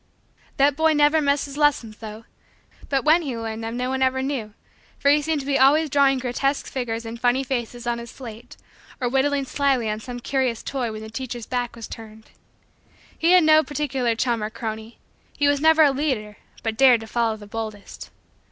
That boy never missed his lessons, though, but when he learned them no one ever knew for he seemed to be always drawing grotesque figures and funny faces on his slate or whittling slyly on some curious toy when the teacher's back was turned. He had no particular chum or crony. He was never a leader but dared to follow the boldest.